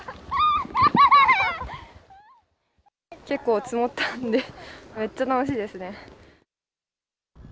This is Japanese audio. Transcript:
結構積もったんで、めっちゃ楽しいですね。